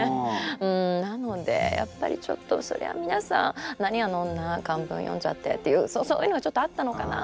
なのでやっぱりちょっとそりゃみなさん「何あの女漢文読んじゃって」っていうそういうのがちょっとあったのかな。